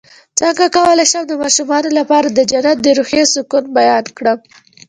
څنګه کولی شم د ماشومانو لپاره د جنت د روحي سکون بیان کړم